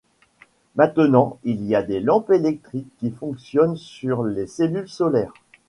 Maintenant, il y a des lampes électriques qui fonctionnent sur les cellules solaires.